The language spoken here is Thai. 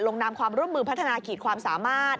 นามความร่วมมือพัฒนาขีดความสามารถ